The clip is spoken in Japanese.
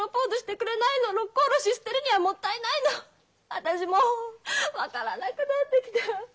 私もう分からなくなってきた。